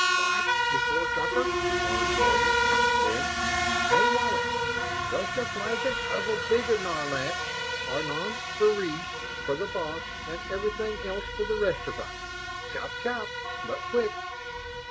"What, before supper?" Karns marveled. Then, "Hey, Wally! Rush a flagon of avignognac Arnaud Freres for the boss and everything else for the rest of us. Chop chop but quick!"